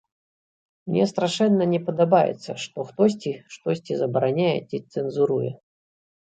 Мне страшэнна не падабаецца, што хтосьці штосьці забараняе ці цэнзуруе.